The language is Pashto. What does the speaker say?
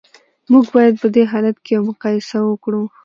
موږ باید په دې حالت کې یوه مقایسه وکړو